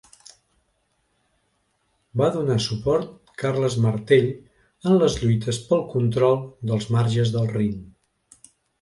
Va donar suport Carles Martell en les lluites pel control dels marges del Rin.